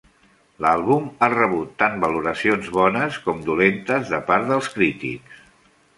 L'àlbum ha rebut tant valoracions bones com dolentes de part dels crítics.